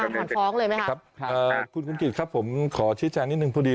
ถอนฟ้องเลยไหมครับคุณกฤษครับผมขอชิดแจ้งนิดนึงพอดี